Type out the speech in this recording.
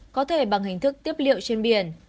có thể bằng hình thức tiếp liệu trên biển